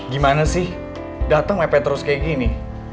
gimana sih dateng lepet terus kayak gini